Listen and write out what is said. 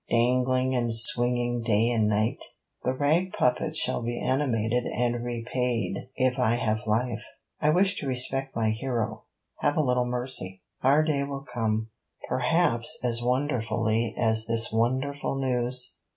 'Dangling and swinging day and night!' 'The rag puppet shall be animated and repaid if I have life. I wish to respect my hero. Have a little mercy. Our day will come: perhaps as wonderfully as this wonderful news.